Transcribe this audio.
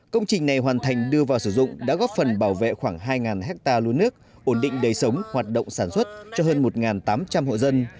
công trình này hoàn thành đưa vào sử dụng đã góp phần bảo vệ khoảng hai ha lúa nước ổn định đời sống hoạt động sản xuất cho hơn một tám trăm linh hộ dân